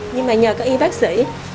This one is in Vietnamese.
nhưng mà nhờ các y bác sĩ